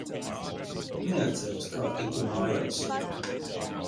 Neatceros, kā tiku mājās.